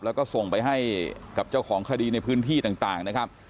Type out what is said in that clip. แล้วก็ส่งไปให้กับเจ้าของคดีในพื้นที่ต่างนะครับ